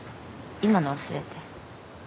今の忘れて。